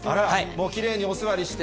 もうきれいにお座りして。